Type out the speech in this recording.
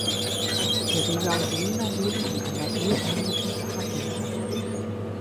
Teresa und Lena leben in einer eheähnlichen Partnerschaft.